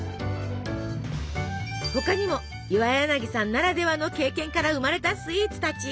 他にも岩柳さんならではの経験から生まれたスイーツたち。